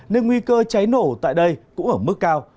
nên nguy cơ cháy nổ tại đây cũng ở mức cao